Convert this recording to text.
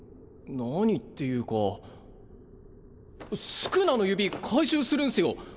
何っていうか宿儺の指回収するんすよ